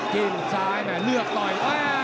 กินซ้ายเลือกต่อย